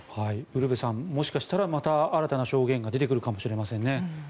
ウルヴェさんもしかしたらまた新たな証言が出てくるかもしれませんね。